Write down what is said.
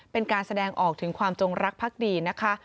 เป็นการแสดงออกถึงความจงรักพักดีนะคะ